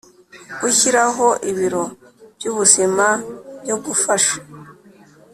Gushyiraho ibiro by ubuzima byo gufasha